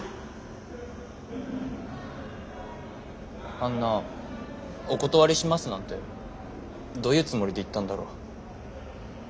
あんな「お断りします」なんてどういうつもりで言ったんだろう。